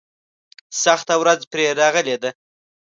سخته ورځ پرې راغلې ده.